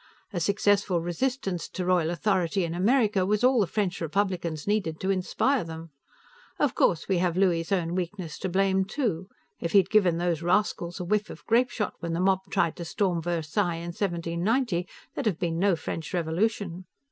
A successful resistance to royal authority in America was all the French Republicans needed to inspire them. Of course, we have Louis's own weakness to blame, too. If he'd given those rascals a whiff of grapeshot, when the mob tried to storm Versailles in 1790, there'd have been no French Revolution."